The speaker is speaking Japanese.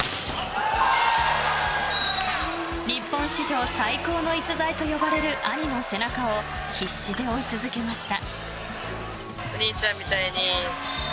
日本史上最高の逸材と呼ばれる兄の背中を必死で追い続けました。